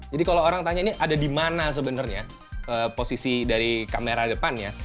jadi kalau orang tanya ini ada di mana sebenarnya posisi dari kamera depannya